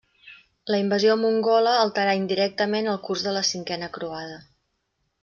La invasió mongola alterà indirectament el curs de la cinquena croada.